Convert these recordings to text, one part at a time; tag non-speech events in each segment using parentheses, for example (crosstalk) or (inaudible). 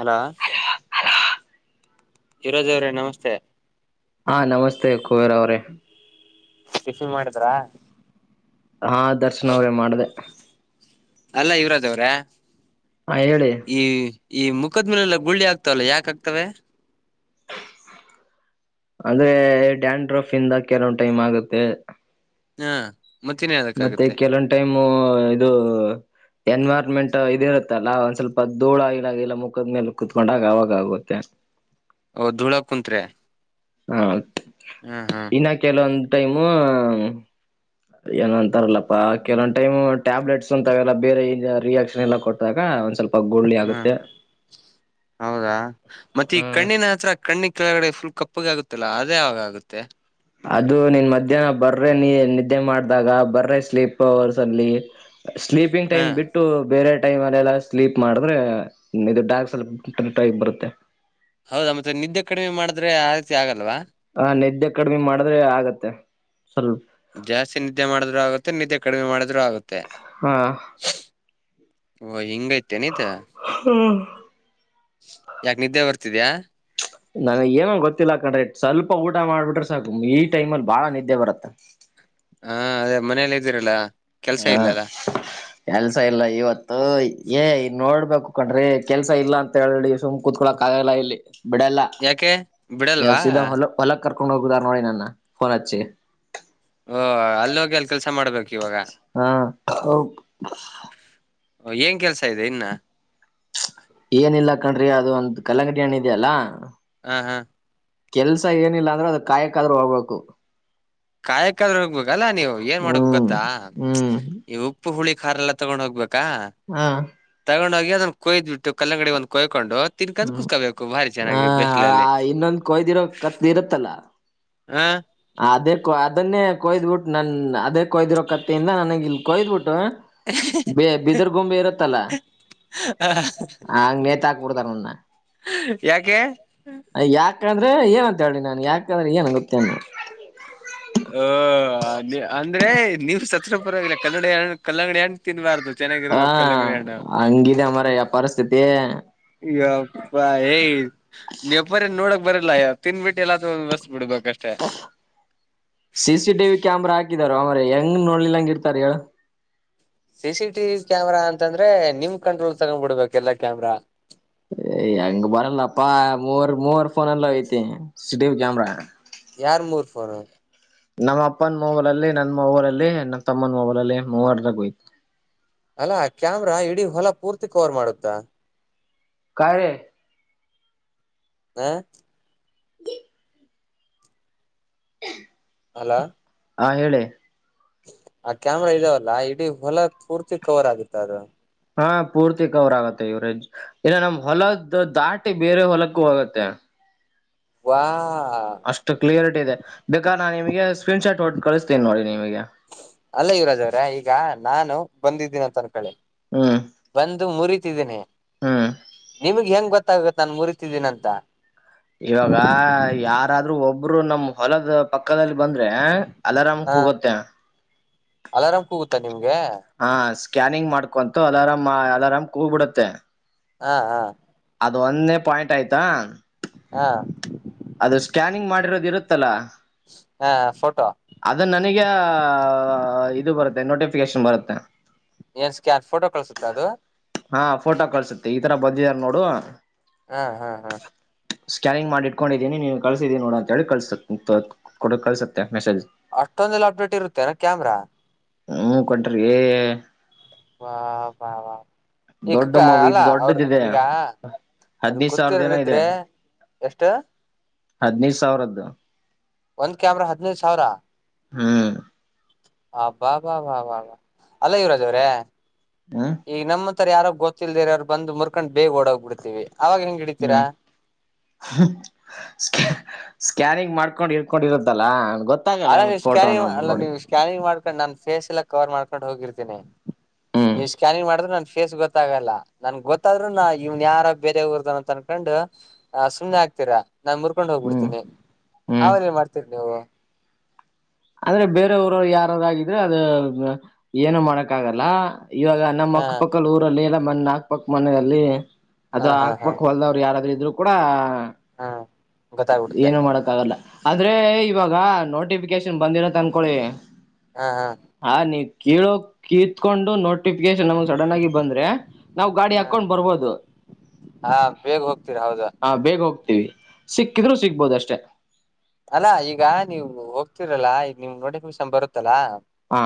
ಅಲ ಹ ಈ ರೋಜ್ ಅವರೇ ನಮಸ್ತೆ ಹಾ ನಮಸ್ತೆ ಕುುವೇರ್ ಅವ್ರೇ ಟಿಫನ್ ಮಾಡಿದ್ರಾ ಹಾ ದರ್ಶನ ಅವ್ರೇ ಮಾಡ್ದ ಅಲ್ಲ ಇವ್ರದೇವ್ರ ಹಾ ಹೇಳಿ ಈ ಈ ಮುಖದ್ಮೇಲೆಲ್ಲ ಗುಳ್ಳಿ ಆಗ್ತವಲ್ಲ ಯಾಕ ಆಗ್ತವೆ ಅಂದ್ರೆ ಡ್ಯಾನ್ ಫ್ ಇಂದ ಕೆಲೊ ಟೈಮ್ ಆಗುತ್ತೆ ಹಾ ಮತ್ತಿನ ಮತ್ತೆ ಅದಕ್ಕಾಗುತ್ತೆ ಕೆಲವೊಂದು ಟೈಮ್ ಇದು ಎನ್ವೈರನ್ಮೆಂಟ್ ಇದ ಇರುತ್ತಲ್ಲ ಒಂದ್ ಸ್ವಲ್ಪ ಧೋಳ ಇಲ್ಲ ಎಲ್ಲ ಮುಖದ ಮೇಲೆ ಕುೂತ್ಕೊಂಡಾಗ ಅವಾಗ ಆಗುತ್ತೆ ಓ ಧೂಳ ಕುಂತ್ರೆೆ ಹದುೆ ಹಾ ಹಾ ಇನ್ನ ಕೆಲವೊಂದು್ ಟೈಮು ಏನ ಅಂತಾರಲ್ಲಪ್ಪಾ ಕೆಲೊ ಟೈಮ್ ಟ್ಯಾಬ್ಲೆಟ್ಸ್ ಅಂತಲ್ಲ ಬೇರೆ ರಿಯಾಕ್ಷನ್ ಎಲ್ಲಾ ಕೊಟ್ಟ ಒಂದ್ ಸ್ವಲ್ಪ ಗುಳ್ಳಿ ಹಾ ಆಗುತ್ತೆ ಹೌದಾ ಮತ್ತೆ ಈ ಹ್ಮ್ ಕಣ್ಣಿನ ಹತ್ರ ಕಣ್ಣಿ ಕೆಳಗಡೆ ಫುಲ್ ಕಪ್ಪಗ ಆಗುತ್ತಲ್ಲ ಅದೇ ಆವಾಗಾಗುತ್ತೆ ಅದು ನೀನ್ ಮಧ್ಯಾಹ್ನ ಬರ್ರೆ ನೀ ನಿದ್ದೆ ಮಾಡ್ದಾಗ ಬರ್ರಿ ಸ್ಲೀಪ್ ಅವರ್ಸ್ ಅಲ್ಲಿ ಸ್ಲೀಪಿಂಗ್ ಹಾ ಟೈಮ್ ಬಿಟ್ಟು ಇ ಬೇರೆ ಟೈಮ್ ಅಲ್ಲಿ ಎಲ್ಲ ಸ್ಲೀಪ್ ಮಾಡಿದ್ರೆ ಇದು ಡಾಗ ಸ್ವಲ್ಪಟೈ ಬರುತ್ತೆ ಹೌದಾ ಮತ್ತೆ ನಿದ್ದೆ ಕಡಿಮೆ ಮಾಡಿದ್ರೆ ಆ ರೀತಿ ಆಗಲ್ವಾ ಹಾ ನಿದ್ದೆ ಕಡಿಮೆ ಮಾಡಿದ್ರೆ ಆಗತ್ತೆ ಸ್ವಲ್ಪ್ ಜಾಸ್ತಿ ನಿದ್ದೆ ಮಾಡಿದ್ರು ಆಗುತ್ತೆ ನಿದ್ದೆ ಕಡಿಮೆ ಮಾಡಿದ್ರು ಆಗುತ್ತೆ ಹಾ ಓ ಹಿಂಗೈತೆನ್ ಇದಾ ಹ ಹ (unintelligible) ಯಾಕ್ ನಿದ್ದೆ ಬರ್ತಿದ್ಯಾ ನಾನ್ಗ್ ಏನೋ ಗೊತ್ತಿಲ್ಲಾಕಂಡ್ರೆ ಸ್ವಲ್ಪ ಊಟ ಮಾಡ್ಬಿಟ್ರೆ ಸಾಕು ಈ ಟೈಮ ಅಲ್ಲಿ ಬಾಳ ನಿದ್ದೆ ಬರುತ್ತೆ ಹಾ ಅದೇ ಮನೆಲ್ಲಿ ಇದ್ದೀರಲ್ಲ ಕೆಲ್ಸ ಹಾ ಇಲ್ಲಲ್ಲ ಕೆಲ್ಸ ಇಲ್ಲ ಇವತ್ತು ಏ ನೋಡ್ಬೇಕು (unintelligible) ಕೆಲ್ಸ ಇಲ್ಲ ಅಂತ ಹೇಳಿ ಸುಮ್ ಕುೂತ್ಕೊಳ್ಳಕ್ ಆಗಲ್ಲ ಇಲ್ಲಿ ಬಿಡಲ್ಲ ಯಾಕೆ ಯಾವ ಬಿಡಲ್ವಾ ಸೀದ ಹೊಲ ಹೊಲಕ್ ಕರ್ಕೊಂಡ್ ಹೋಗುದಾರ ನೋಡಿ ನನ್ನ ಫೋನ್ ಹಚ್ಚಿ ಓ ಅಲ್ಲಿ ಹೋಗಿ ಎಲ್ ಕೆಲ್ಸ ಮಾಡ್ಬೇಕು ಇವಾಗ ಹಾ ಏನ್ ಕೆಲ್ಸ ಇದೆ ಇನ್ನ ಏನ ಇಲ್ಲ ಕಣ್ರಿ ಅದು ಒಂದ್ ಕಲಂಗಡಿ ಹಣ್ಣ ಇದ ಅಲ್ಲಾ ಹ ಹಾ ಕೆಲ್ಸ ಏನಿಲ್ಲ ಅಂದ್ರೆ ಅದ ಕಾಯಕಾದ್ರೂ ಹೋಗ್ಬೇಕು ಕಾಯಕ್ಕಾದ್ರೆ ಹೋಗ್ಬೇಕಲ್ಲಾ ನೀವು ಏನ್ ಮಾಡಕ್ ಹ್ಮ್ ಗೊತ್ತಾ ತ್ತು ಹ್ಮ್ ನೀವ್ ಉಪ್ಪು ಹುಳಿ ಖಾರೆಲ್ಲ ತಗೊಂಡೆಲ್ಲಾ ಹೋಗ್ಬೇಕಾ ಹಾ ತಗೊಂಡು ಹೋಗಿ ಅದನ್ನ ಕೊಯ್ದ್ ಬಿಟ್ಟು ಕಲ್ಲಂಗಡಿ ಒಂದು ಕೊಯ್ಕೊಂಡು ತಿನ್ಕಂತ್ಕಂದು ಹ್ಮ್ ಕುತ್ತ್ ಕೊಬೇಕು ಭಾರಿ ಹ ಚೆನ್ನಾಗಿ ಬೆಸ್ಲಲ್ಲಿ ಇನ್ನೊಂದ್ ಕೊಯ್ದಿರೋ ಕತ್ಲಿ ಇರುತ್ತಲ್ಲ ಹಾ ಅದೇ ಅದನ್ನೇ ಕೊಯ್ದಟ್ಟು ನನ್ ಅದನ್ ಕೊಯ್ದಿರೋ ಕತ್ತೆಯಿಂದ ನನಗೆ ಇಲ್ ಕೊಯ್ದಟ್ಟು ಬ ಬಿದಿರ್ ಗೊಂಬೆ ಇರುತ್ತಲ್ಲಾ ಹಂಗ್ ನೇತ್ ಹಾಕ್ಬಿಡ್ತಾನೆ ಅವನ್ನ ಅ‌ ಯಾಕೆ ಯಾಕಂದ್ರೆ ಏನ್ ಅಂತ ಹೇಳಿ ನಾನ್ ಯಾಕಂದ್ರೆ ಏನ್ ಗೊತ್ತೇನೆ ಹ ಅಂದ್ರೆ ನೀವ್ ಸತ್ರೂ ಪರವಾಗಿಲ್ಲ ಕಲ್ಲಂಡಿ ಕಲ್ಲಂಗಡಿ ತಿನ್ಬಾರ್ದು ಹಾ ಚೆನ್ನಾಗಿರ್ಬೇಕು ಕಲ್ಲಂಗಡಿ ಹಣ್ಣು ಹಂಗಿದೆ ಮಾರಾಯ ಪರಿಸ್ಥಿತಿ ಯಪ್ಪ ಏ (unintelligible) ಏನ್ ನೋಡಕ್ ಬರಲ್ಲ ತಿಿಂದನ್ಬಿಟ್ಟ ಎಲ್ಲಾದ್ರೂ (unintelligible) ಬಿಡ್ಬೇಕಷ್ಟೇ ಸಿ ಸಿ ಟಿ ಕ್ಯಾಮರಾ ಹಾಕಿದಾರೋ ಮಾರಾಯ ಹೆಂಗ್ ನೋಡ್ಲಿಲ್ಲಂಗ ಇರ್ತಾರೆ ಹೇಳ್ C C T V camera ಅಂತಂದ್ರೆ ನಿಮ್ ಕಂಟ್ರೋಲ್ಗ್ ತಗೊಂಡ್ ಬಿಡ್ಬೇಕ್ ಎಲ್ಲಾ ಕ್ಯಾಮರಾ ಏ್ ಹೆಂಗ್ ಬರಲ್ಲಪ್ಪ ಮೂವರ್ ಮೂವರ್ ಫೋನಲ್ ಐತಿ (unintelligible) ಟಿ ವಿ ಕ್ಯಾಮ್ರಾ ಯಾರ್ ಮೂರ್ ಫೋನ್ ನಮ್ಮ್ ಅಪ್ಪನ್ ಮೊಬೈಲ್ ಅಲ್ಲಿ ನನ್ ಮೊಬಲ್ ಅಲ್ಲಿ ನಮ್ಮ್ ತಮ್ಮನ್ನು ಮೊಬೈಲ್ ಅಲ್ಲಿ ಮೂವರ್ (unintelligible) ಅಲ್ಲಾ ಕ್ಯಾಮ್ರಾ ಇಡೀ ಹೊಲ ಪೂರ್ತಿ ಕವರ್ ಮಾಡುತ್ತಾ ಕಾ (unintelligible) ರೆ ಹಾ ಅಲ ಆ ಹೇಳಿ ಆ ಕ್ಯಾಮ್ರಾ ಇದಾವಲ್ಲ ಇಡೀ ಹೊಲ ಪೂರ್ತಿ ಕವರ್ ಆಗೂತ್ತ ಅದು ಹಾ ಪೂರ್ತಿ ಕವರ್ ಆಗು್ತ್ತೆ ಇವ್ರೇಜ್ ಇಲ್ಲ ನಮ್ ಹೊಲದ್ ದಾಟಿ ಬೇರೆ ಹೊಲಕ್ಕೂ ಹೋಗತ್ತೆ ವಾ ಅಷ್ಟು ಕ್ಲಿಯರಿಟಿ ಇದೆ ಬೇಕಾರ್ ನಾನ್ ನಿಮ್ಗೆ ಸ್ಕ್ರೀನ್ ಶಾಟ್ ಹೊಡ್ದ್ ಕಳಿ್ಸ್ತೀನಿ ನೋಡಿ ನಿಮಗೆ ಅಲ್ಲ ಯುವರಾಜ್ ಅವ್ರೆ ಈಗ ನಾನು ಬಂದಿದ್ದೀನಿ ಅಂತ ಅನ್ಕಳಿ ಹ್ಮ ಬಂದು ಮುರಿತಿದ್ದೀನಿ ನಿಮಗ್ ಹೆಂಗ್ ಗೊತ್ತಾಗುತ್ತ್ ನಾನ್ ಮುರಿತಿದ್ದೀನಿ ಅಂತ ಇವಾಗ ಯಾರಾದ್ರರು ಒಬ್ರು ನಮ ಹೊಲದ ಪಕ್ಕದಲ್ಲಿ ಬಂದ್ರೆ ಅಲಾರಾಮ್ ಹಾ ಕೂಗುತ್ತೆ ಅಲಾರಾಮ ಕೂಗುತ್ತಾ ನಿಮ್ಗೆ ಹಾ ಸ್ಕ್ಯಾನಿಂಗ್ ಮಾಡ್ಕೊಂತು ಅಲಾರಾಮ ಅಲಾರಾಮ್ ಕೂ್ಬ ಬಿಡತ್ತೆ ಹಾ ಹಾ ಅದು ಒಂದೇ ಪಾಯಿಂಟ್ ಆಯ್ತಾ ಹಾ ಅದು ಸ್ಕ್ಯಾನಿಂಗ್ ಮಾಡಿರೋದ ಇರುತ್ತಲ್ಲಾ ಹಾ ಫೋಟೋ ಅದ ನನಗೆ ಇದು ಬರುತ್ತೆ ನೋಟಿಫಿಕೇಶನ್ ಬರುತ್ತೆ ಏನ್ ಸ್ಕ್ಯಾನ್ ಫೋಟೋ ಕಳಸುತ್ತಾ ಅದು ಹಾ ಫೋಟೋ ಕಳ್ಸುತ್ತೆ ಈ ತರ ಬಂದಿದಾರ ನೋಡು ಹಾ ಹಾ ಹಾ ಸ್ಕ್ಯಾನಿಂಗ್ ಮಾಡಿ ಕೊಂಡಿದ್ದೀನಿ ನೀವು ಕಳ್ಸಿದೀಿ ನೋಡ್ ಅಂತ್ ಹೇಳಿ ಕಳ್ಸ್ ಕಳ್ಸು್ತ್ತೆ ಮೆಸೇಜ್ ಅಷ್ಟೊಂದೆಲ್ಲ ಅಪ್ಡೇಟ್ ಇರುತ್ತೆನ್ ಕ್ಯಾಮ್ರಾ ಹಞ ಕೊಟ್ರ ವಾ ಬಾ ವಾ ಈ ದೊಡ್ಡ ಕಕ್ಕ ಮೊ ಅಲ್ಲ ಇದು ಅವರು ದೊಡ್ಡದಿದೆ ಈಗ ಅದು ಹದ್ನೈದು ಸಾವಿರದ ಏನೋ ಇದೆ ಗೊತ್ತಿರರಿದ್ರೆ ಎಷ್ಟು ಹದಿನನೈದು ಸಾವಿರದ್ದು ಒಂದ್ ಕಾಮ್ರ ಹದಿನೈದು ಸಾವಿರ ಹ್ಮ್ ಹಬಾ ಬಾ ಬಾಬಾಬ ಅಲ್ಲ ಯವರಾಜ್ ಅವ್ರೆ ಹಾ ಈಗ ನಮ್ಮ ಹತ್ರರ ಯಾರ ಗೊತ್ತಿಲ್ಲಲ್ದ ಯ್ರು ಬಂದು ಮುರ್ಕೊಂಡ್ ಬೇಗ ಓಡೋಗ್ ಬಿಡ್ತತಿವಿ ಅವಾಗ ನಗೆ ಹ್ಮ ಸ್ಕ್ಯಾನಿಂಗ್ ಮಾಡ್ಕೊಂಡು ಇಡ್ಕೊಂಡ್ ಇರುತ್ತಲ್ಲ ನ ಗೊತ್ತ ಅಲ್ಲ ನೀ್ ಸ್ಕ್ಯಾನಿಂಗ್ ಅಲ್ಲ ನೀವು ಸ್ಕ್ಯಾನಿಂಗ್ ಮಾಡ್ಕೊಂಡ್ ನಾನನ್ ಫೇಸ್ ಎಲ್ಲ ಕವರ್ ಮಾಡ್ಕೊಂಡು ಹೋಗಿರ್ತೀನಿ ಹ್ಮ್ ನೀವು ಸ್ಕ್ಯಾನಿಂಗ್ ಮಾಡಿದ್ರೆ ನನ್ ಫೇಸ್ ಗೊತ್ತಾಗಲ್ಲ ನನ್ ಗೊತ್ತಾದ್ೂ ಇವ್ನ್ ಯಾರ ಬೇರೆ ಊರದನಂತ ಅನ್ಕೊಂಡ್ ಅ ಸುಮ್ನೆ ಆಾಕ್ತೀರಾ ನಾನ್ ಮುರ್ಕೊಂಡ್ ಹ್ಮ್ ಹೋಗ್ಬಿಡ್ತೀನಿ ಹ್ಮ್ ಅದರ ಮಾಡ್ತೀರಿ ನೀವು ಅಂದ್ರ ಬೇರೆವರವರು ಯಾರಾರಾಗಿದ್ರೆ ಅದ ಏನು ಮಾಡಕ್ ಆಗಲ್ಲ ಇವಾಗ ನಮ್ಮ್ ಹಾ ಅಕ್ಕ ಪಕ್ಕದ ಊರಲ್ಲಿ ಎಲ್ಲಾ (inaudible) (inaudible) ಆಗ್ಬೇಕು ಮಣ್ಣಲ್ಲಿ ಅದು ಹಾ ಹಾ ಹಾ ಹಾಕ್ಬೇಕು ಹೊಲದವ್ರು ಯಾರಾದ್ರರು ಇದ್ರು ಕೂಡ ಹಾ ಗೊತ್ತಾಗ್ಬಿಡುತ್ತೆ ಏನುೂ ಮಾಡೋಕ್ಕ ಆಗಲ್ಲ ಆದ್ರೆ ಇವಾಗ ನೋಟಿಫಿಕೇಶನ್ ಬಂದಿರತ್ ಅನ್ಕೊಳ್ಳಿ ಹಾ ಹಾ ಹಾ ನೀವ ಕೀಳೋ ಕೀತ್ಕೊಂಡು ನೋಟಿಫಿಕೇಶನ್ ನಮಗ್ ಸಡನ್ ಆಗಿ ಬಂದ್ರೆ ನಾವು ಗಾಡಿ ಹ ಹಾಕೊಂಡು ಬರ್ಬೋದು ಹಾ ಬೇಗ ಹೋಗ್ತೀರಾ ಹೌದು ಹ ಬೇಗ ಹೋಗ (unintelligible) ಸಿಕ್ಕಿದ್ರು ಸಿಗ್ಬಹದು ಅಷ್ಟೇ ಅಲ್ಲಾ ಈಗ ನೀವು ಹೋಗ್ತಿರಲ್ಲಾ ಈಗ ನಿಮಗ ನೋಟಿಫಿಕೇಶನ್ ಬರುತ್ತಲ್ಲಾ ಹಾ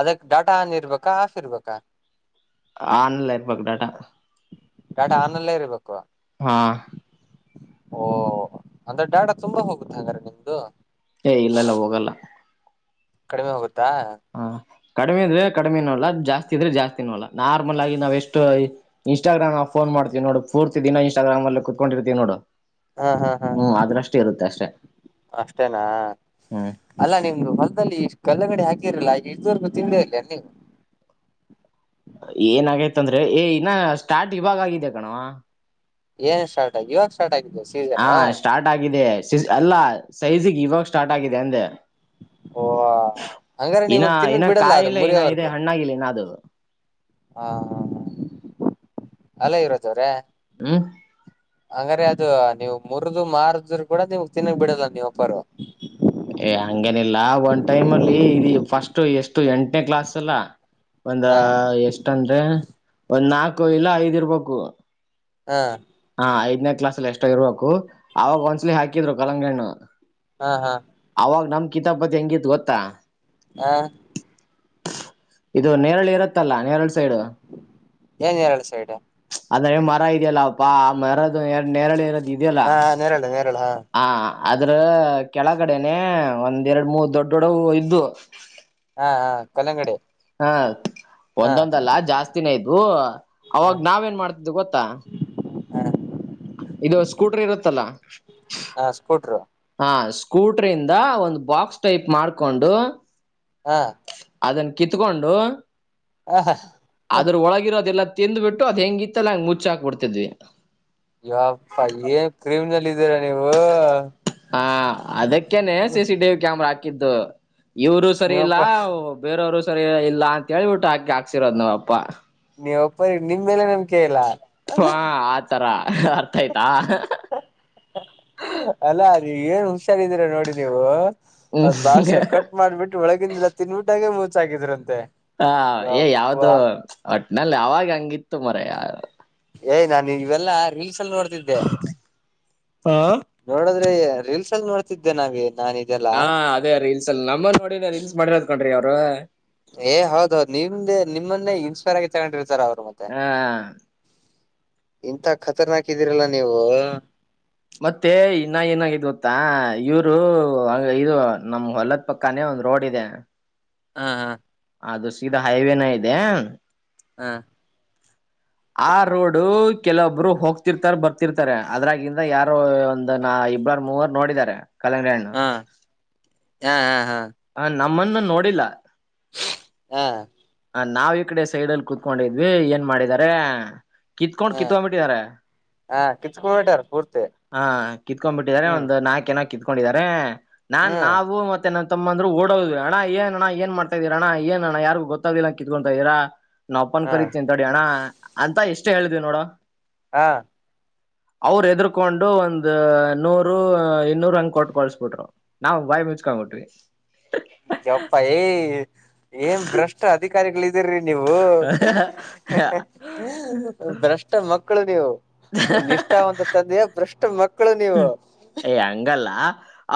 ಅದಕ್ ಡಾಟಾ ಆನ್ ಇರ್ಬೇಕಾ ಆಫ್ ಇರ್ಬೇಕಾ ಆನ್ಲೈರ್ ಇರಬೇಕ ಡಾಟಾ ಡಾಟಾ ಆನ್ ಅಲ್ಲೇ ಇರ್ಬೇಕು ಹಾ ಓ ಅಂದ್ರೆ ಡ್ಯಾಡ ತುಂಬಾ ಹೋಗುತ್ತೆ ಹಂಗಾರ ನಿಮ್ದು ಏ ಇಲ್ಲಲ್ಲ ಹೋಗಲ್ಲ ಕಡಿಮೆ ಹೋಗುತ್ತಾ ಹಾ ಕಡಿಮೆ ಇದ್ರೆ ಕಡಿಮೆನೂ ಅಲ್ಲ ಜಾಸ್ತಿ ಇದ್ರೆ ಜಾಸ್ತಿನೋ ಅಲ್ಲ ನಾರ್ಮಲ್ ಆಗಿ ನಾವ್ ಎಷ್ಟು ಇನ್ಸ್ಟಾಗ್ರಾಮ್ ಫೋನ್ ಮಾಡ್ತವಿ ನೋ ಪೂರ್ ದ ಇಸ್ಟಾಗ್ರಾಮ್ ಅ ಕ ಕುತ್ಕೊಂಡಿರ್ತೀವಿ ನೋಡು ಹಾ ಹಾ ಹಾ ಹ್ಮ್ ಅದ್ರಷ್ಟೇ ಇರುತ್ತೆ ಅಷ್ಟೆ ಹ್ಮ್ ಅಲ್ಲ ನಿಮ್ದ ಹೊಲ್ದಲ್ಲಿ ಇಷ್ಟು ಕಲ್ಲಗಡೆ ಹಾಕಿರ್ಲಿಲ್ಲ ಈ ಇದುವವರೆಗೂ ತಿದಿರ್ಲಿ ಅಲ್ಲಿ ಏನ ಆಾಗೈತ್ಂದ್ರೆ ಏ ಇನ್ನ ಸ್ಟಾರ್ಟ್ ಇವಾಗ ಆಗಿದ ಕಣವಾ ಏನ್ ಸ್ಟಾರ್ಟ್ ಆಗ ಇವಾಗ ಸ್ಟಾರ್ಟ್ ಆಗಿದ್ದಿದೆ ಹಾ ಸೀಸನಾ ಸ್ಟಾರ್ಟ್ ಆಗಿದೆ ಅಲ್ಲಾ ಸೈಜಿಗೆ ಇವಾಗ ಸ್ಟಾರ್ಟ್ ಆಗಿದೆ ಅಂದೆ ಓ ಹಂಗಾರ ಇನ್ನ ನಿಮಗ್ ತಿನ್ನಕ್ ಇನ್ನ ಬಿಡಲ್ಲ ಅದು ಕಾಯಿಲ್ಲ ಇನ್ನ ಇದೆ ಮುರಿಯವರ್ಗು ಹಣ್ಣಾಗಿಲ್ಲ ಇನ್ನ ಅದು ಹಾ ಅಲ್ಲ ಇರತ್ತವ್ರೆ ಹ್ಮ ಹಂಗ್ರ ಅದು ನೀವು ಮುರಿದ ಮಾರದ್ರ ಕೂಡ ನೀಮ ತಿನ್ನಕ್ ಬಿಡಲ್ಲ ನೀವ ಒಪರು ಏ ಹಂಗೇನಿಲ್ಲ ಒಂದ್ ಟೈಮ್ ಅಲ್ಲಿ ಇ ಫಸ್ಟ್ ಎಷ್ಟು ಎಂಟನೇ ಕ್ಲಾಸ್ ಅಲ್ಲಾ ಒಂದ ಹ ಎಷ್ಟಂತೆ ಒಂದ್ ನಾಲ್ಕು ಇಲ್ಲ ಐದ್ ಇರ್ಬೇಕು ಹಾ ಹಾ ಐದನೇ ಕ್ಲಾಸ್ ಅಲ್ಲಿ ಎಷ್ಟ ಇರ್ಬೇಕು ಅವಾಗ ಒಂದ್ಸಲಿ ಹಾಕಿದ್ರು ಕಲ್ಲಂಗಡಿ ಹಣ್ಣು ಹಾ ಹಾ ಅವಾಗ ನಮ್ ಕಿತಾಪತಿ ಹೆಂಗಿತ್ ಗೊತ್ತಾ ಹಾ ಇದು ನೇರಳು ಇರತ್ತಲ್ಲ ನೇರಳ ಸೈಡ್ ಏನ್ ಎರಡು ಸೈಡ್ ಆದ್ರೆ ಮರ ಇದೆಯಲ್ಲಪ್ಪಾ ಮರದು ನೇರಳೆ ಇರೋದು ಇದೆಯಲ್ಲ ಹಾ ನೇರಳೆ ನೇರಳೆ ಹಾ ಹ ಅದ್ರ ಕೆಳ ಕಡೆನೆ ಒಂದ್ ಎರಡ್ ಮೂರ್ ದೊಡ್ಡ ದೊಡ್ಡ ಇದ್ದು ಹಾ ಹಾ ಕಲ್ಲಂಗಡಿ ಹಾ ಹಾ ಒಂದೊಂದಲ್ಲ ಜಾಸ್ತಿನೇ ಇದು ಹ ಅವಾಗ ನಾವೇನ್ ಮಾಡ್ತಿದ್ದು ಗೊತ್ತಾ ಇದು ಸ್ಕೂಟರ್ ಇರುತ್ತಲ್ಲ ಹಾ ಸ್ಕೂಟರು ಹಾ ಸ್ಕೂಟ್ರಿಂದ ಒಂದು ಬಾಕ್ಸ್ ಟೈಪ್ ಮಾಡ್ಕೊಂಡು ಹಾ ಅದನ್ನ ಕಿತ್ಕೊಂಡು ಹ ಹ ಅದ್ರ ಒಳಗಿರೋದೆಲ್ಲ ತಿಂದ್ಬಿಟ್ಟು ಅದು ಹೆಂಗಿತ್ತ ಅಲ್ಲ ಹಂಗ್ ಮುಚ್ಚಾಕ್ಬಿಡ್ತಿದ್ವಿ. ಯವಪ್ಪ ಏನ್ ಕ್ರಿಮ್ನಲ್ ಇದ್ದೀರಾ ನೀವು ಹಾ ಅದಕ್ಕೆನೆ ಸಿ ಸಿ ಟಿವಿ ಕ್ಯಾಮರಾ ಹಾಕಿದ್ದು ಇವ್ರು ಸರಿ ಇಲ್ಲ ನೀವಪ್ಪ ಬೇರೆಯವರು ಸರಿ ಇಲ್ಲ ಅಂತ ಹೇಳಿಬಿಟ್ಟು ಹಾಕಿ ಹಾಕ್ಸಿರೋದ್ ನಮ್ಮಪ್ಪಾ. ನೀವ್ ಒಪ್ಪ್ಯ್ ನಿನ್ ಮೇಲೆ ನನ್ ಹಾ ಆತರ ಅರ್ಥ ಆಯ್ತಾ. ಅಲ್ಲ ಅ ರೀ ಏನು ರಿದೀರಾ ನೋಡಿ ನೀವು ಅದ್ ಹ್ಮ್ ಬಾಕ್ಸ್ರ ಕಟ್ ಮಾಡ್ಬಿಟ್ಟ್ ಒಳಗಿಂದಿಲ್ಲೆ ತಿನ್ಬಿಟ್ಟ್ ಹಂಗೆ ಮುಚ್ಚಾಕಿದ್ರಂತೆ. ಹ ಏ ಯಾವ್ದು ಯಪ್ಪಾ ಒಟ್ಟಿನಲ್ಲಿ ಅವಾಗ ಹಂಗಿತ್ತು ಮರಾಯ. ಏಯ್ ನಾನು ಇವೆಲ್ಲಾ ರೀಲ್ಸಲ್ಲಿ ನೋಡ್ತಿದ್ದೆ. ನೋಡದ್ರೆ ರೀಲ್ಸಲ್ಲಿ ನೋಡ್ತಿದ್ದೆ ನಾವೇ ನಾನ್ ಇ ಹಾ ಅದೇ ರೀಲ್ಸಲ್ಲಿ ನಮ್ಮ ನೋಡಿನ ರೀಲ್ಸ್ ಮಾಡಿರೋದ್ಕಂಡ್ರಿ ಅವ್ರು. ಏ ಹೌದೌದು ನಿಮ್ದ ನಿಮ್ಮನ್ನೇ ಇನ್ಸ್ಪೈರ್ ಆಗಿ ತಗೊಂಡಿರ್ತಾರೆ ಅವ್ರು. ಮತ್ತೆ ಹಾ ಇಂತ ಖತರ್ನಾಕ್ ಇದೀರಲ್ಲ ನೀವು. ಮತ್ತೆ ಇನ್ನ ಏನಾಗಿದ್ ಗೊತ್ತಾ ಇವರು ಇದು ನಮ್ ಹೊಲಕ್ ಪಕ್ಕಾನೆ ಒಂದು ರೋಡ್ ಇದೆ. ಹಾ ಹಾ ಅದು ಸೀದಾ ಹೈವೇನ ಇದೆ. ಹಾ ಆ ರೋಡು ಕೆಲೊಬ್ರು ಹೋಗ್ತಿರ್ತಾರೆ ಬರ್ತಿರ್ತಾರೆ ಅದ್ರಾಗಿಂದ ಯಾರೋ ಒಂದ ನ ಇಬ್ಳರ್ ಮೂವರು ನೋಡಿದ್ದಾರೆ ಕಲಂಗ್ರಿ ಹಣ್ಣು. ಹಾ ಹಾ ಹಾ ಹಾ ಹ ನಮ್ಮನ್ನು ನೋಡಿಲ್ಲ. ಹಾ ಆ ನಾವ್ ಈ ಕಡೆ ಸೈಡಲ್ಲಿ ಕುೂತ್ಕೊಂಡಿದ್ವಿ ಏನ್ ಮಾಡಿದ್ದಾರೆ? ಕತ್ಕೋಂಡ್ ಹಾ ಕಿತ್ತ್ಕೊಂಬಿಟ್ಟಿದ್ದಾರೆ. ಹಾ ಕಿತ್ಕೊಂಡ್ಬಿಟ್ಟಾರ ಪೂರ್ತಿ ಹಾ ಕಿತ್ಕೊಂಡ್ಬಿಟ್ಟಿದ್ದಾರೆ ಹ್ಮ್ ಒಂದು ನಾಲ್ಕೆನೋ ಕಿತ್ಕೊಂಡಿದ್ದಾರೆ ನಾನ್ ಹ್ಮ್ ನಾವು ಮತ್ತೆ ತಮ್ಮಂದ್ರು ಓಡೋದ್ವಿ ಅಣ ಏನ್ ಅಣ ಏನ್ ಮಾಡ್ತಾದೀರಣ್ಣ ಏನಣ್ಣ ಯಾರ್ಗೂ ಗೊತ್ತಾಗ್ಲಿಲ್ಲ ಕಿತ್ಕೊತಾ ಇದ್ದೀರಾ? ನಾಮಪ್ಪನ್ ಹಾ ಕರಿತೀನ ತಡಿ ಅಣ ಅಂತ ಎಷ್ಟೇ ಹೇಳ್ದವಿ ನೋಡೋ. ಹಾ ಅವರು ಎದರ್ಕೊಂಡು ಒಂದು ನೂರು ಇನ್ನೂರು ಹಂಗ ಕೊಟ್ಕಳ್ಸ್ಬಿಟ್ರು. ನಾವು ಬಾಯಿ ಮುಚ್ಕೊಂಡ್ಬಿಟ್ವಿ. ಯೊಪ್ಪ ಏ ಏನ್ ಭ್ರಷ್ಟ ಅಧಿಕಾರಿಗಳಿದ್ದೀರಿ. ನೀವು ಬ್ರಷ್ ಷ್ಟ ಮಕ್ಕಳು ನೀವು ನಿಷ್ಠಾವಂತ ತಂದೆಯ ಭ್ರಷ್ಟ ಮಕ್ಕಳು ನೀವು. ಏಯ್ ಹಂಗಲ್ಲ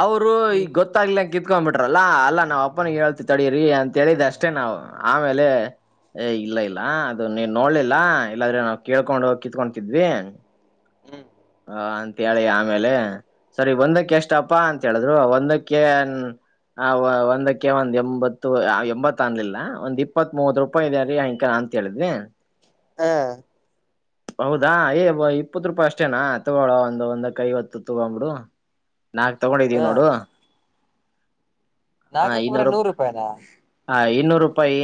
ಅವ್ರು ಈಗ್ ಗೊತ್ತಾಗ್ಲಿ ಕಿತ್ಕೊಂಬಿಟ್ರಲ್ಲ ಅಲ್ಲ ನಾಮ್ ಅಪ್ಪನ್ ಹೇಳ್ತ ತಡೀರೀ ಅಂತ ಹೇಳಿದ್ ಅಷ್ಟೇ ನಾವು ಆಮೇಲೆ ಏ ಇಲ್ಲ ಇಲ್ಲ ಅದು ನೀನ್ ನೋಡ್ಲಿಲ್ಲ ಇಲ್ಲಾದ್ರೆ ನಾವು ಕೇಳ್ಕೊಂಡ್ಹೋಗ್ ಕಿತ್ಕೊತಿಂದ್ವಿ. ಹ್ಮ್ ಹ ಅಂತೇಳಿ ಆಮೇಲೆ ಸರಿ ಒಂದಕ್ಕೆ ಎಷ್ಟಪ್ಪಾ ಅಂತ ಹೇಳಿದ್ರು ಒಂದಕ್ಕೆ ಆ ಒಂದಕ್ಕೆ ಒಂದ್ ಎಂಬತ್ತು ಎಂಬತ್ ಅನ್ಲಿಲ್ಲ ಒಂದ್ ಇಪ್ಪತ್ ಮೂವತ್ ರೂಪಾಯಿ ಇದೆರೀ ಅಂಕ ತೇಳಿದ್ವಿ. ಹಾ ಹೌದಾ ಏ ಇಪ್ಪತ್ತು ರೂಪಾಯಿ ಅಷ್ಟು ಅನಾ ತಗೋಳ ಒಂದು ಒಂದಂದು ಕೈ ಹೊತ್ತು ತಗೊಂಬಡು ನಾಕ್ ಹ ತಗೊಂಡಿದ್ದೀವಿ ನೋಡು ಹಾ ನಾಕಕ್ ಬರೀ ಇನ್ನೂರುೂ ನೂರು ರೂಪಾಯಿನಾ ಹ ಇನ್ನೂರು ರೂಪಾಯಿ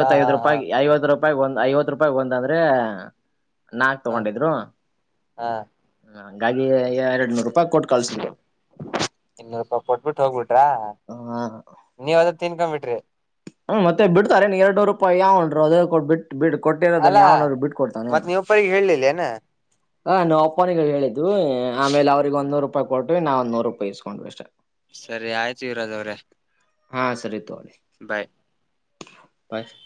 ಹಾ ಹಾ ರೂಪಾಯ ಐವತ್ತು ರೂಪಾಯ ಒಂದ್ ಐವತ್ತು ರೂಪಾಯ ಒಂದ ಅಂದ್ರೆ ನಾಕ್ ಹಾ ಹ ತಗೊಂಡಿದ್ರು ಹಾ ಹಂಗಾಗಿ ಎರಡ್ ನೂರು ರೂಪಾಯಿ ಕೊಟ್ಟು ಕಳ್ಸಕ್ಕೆ ಇನ್ನೂರು ರೂಪಾಯಿ ಕೊಟ್ಬಿಟ್ಟ ಹೋಗ್ಬಿಟ್ರ ಹ ನೀವ್ ಅದ ತಿನ್ಕೊಂಡ್ ಬಿಟ್ರಿ ಹ್ಮ ಮತ್ತೆ ಬಿಡ್ತಾರೆೇ ನೀ ಎರಡುೂರು ರೂಪಾಯಿ ಯಾವನ್ರು ಅದ ಬಿಟ್ಟ ಬಿ ಕೊಟ್ಟಿರೋದೇ ಯಾವನಾದ್ರು ಬಿಟ್ಟ ಕೊಡ್ತಾನೇ ಅಪ್ಪಗೆ ಹೇಳಿಳೇನು ಹ ನಾ ಅಪ್ಪನಿಗೆ ಹೇಳಿದ್ವಿ ಆಮೇಲೆ ಅವ್ರಿಗೆ ಒಂದ ಹ್ಮ್ ನೂರು ರೂಪಾಯಿ ಕೊಟ್ಟವಿ ನಾವು ಒಂದ ನೂರು ರೂಪಾಯಿ ಇಸ್ಕೊಂಡ್ವಿ ಅಷ್ಟೇ ಸರಿ ಆಯ್ತು ಯವರಾಜ್ ಅವ್ರೆ ಹಾ ಸರಿ ತೊಳಿ ಬಾಯ್ ಪಾಯ (inaudible)